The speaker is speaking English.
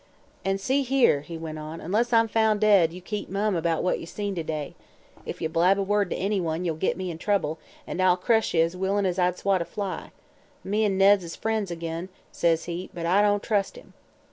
"'An' see here,' he went on, 'unless I'm foun' dead, you keep mum 'bout what ye seen to day. If ye blab a word to anyone, ye'll git me in trouble, an' I'll crush ye as willin' as I'd swat a fly. Me an' Ned is friends ag'in,' says he, 'but I don't trust him.'